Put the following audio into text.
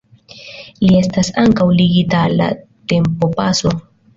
Li estas ankaŭ ligita al la tempopaso.